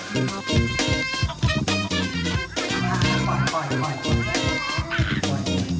สวัสดีค่ะ